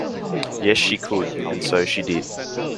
Yes she could, and so she did.